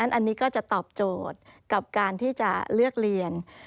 อันนี้ก็จะตอบโจทย์กับการที่จะเลือกเรียน